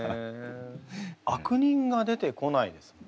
悪人が出てこないですもんね。